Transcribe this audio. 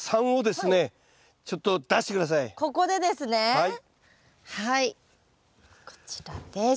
はいこちらです。